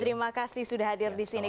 terima kasih sudah hadir di sini